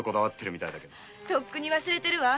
とっくに忘れてるわ。